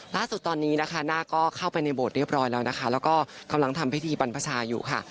ล่าสุดตอนนี้นะคะหน้าก็เข้าไปในโบสถ์เรียบร้อยแล้วนะคะแล้วก็กำลังทำพิธีบรรพชาอยู่ค่ะ